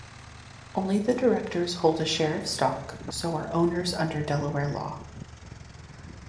Only the directors hold a share of stock, so are owners under Delaware law.